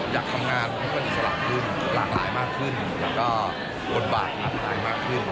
อยากทำงานสละด้วยหลากหลายมากขึ้นแล้วก็อดบาทหลากหลายมากขึ้น